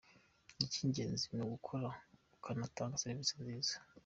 Icy’ingenzi ni ugukora, ukanatanga serivisi nziza.